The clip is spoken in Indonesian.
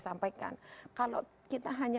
sampaikan kalau kita hanya